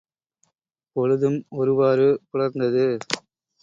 பொழுதும் ஒருவாறு புலர்ந்தது.